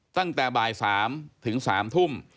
ตั้งแต่บ่าย๓ถึง๓ทุ่ม